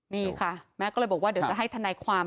นี่ค่ะแม่ก็เลยบอกว่าเดี๋ยวจะให้ทนายความ